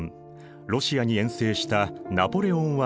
ロシアに遠征したナポレオンは敗退。